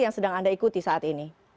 yang sedang anda ikuti saat ini